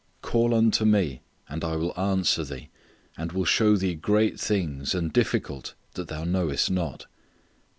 "Call unto Me, and I will answer thee, and will shew thee great things, and difficult, that thou knowest not."